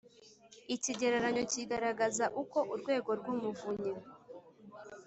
Ikigereranyo kigaragaza uko urwego rw umuvunyi